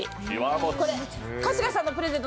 これ、春日さんのプレゼント